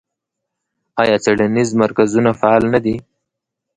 آیا څیړنیز مرکزونه فعال نه دي؟